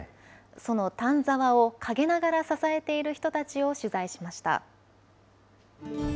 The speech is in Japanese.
その丹沢を陰ながら支えている人たちを取材しました。